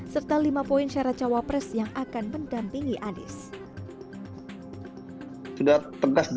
serta lima poin syarat cawapres yang akan mendampingi anis sudah tegas